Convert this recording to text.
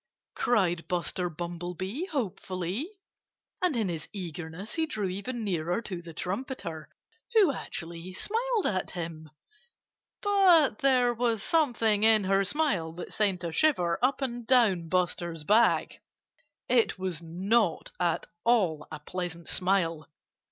cried Buster Bumblebee hopefully. And in his eagerness he drew even nearer to the trumpeter, who actually smiled at him. But there was something in her smile that sent a shiver up and down Buster's back. It was not at all a pleasant smile.